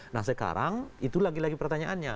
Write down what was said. nah sekarang itu lagi lagi pertanyaannya